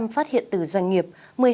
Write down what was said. một mươi một phát hiện từ doanh nghiệp